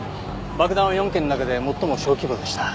爆弾は４件の中で最も小規模でした。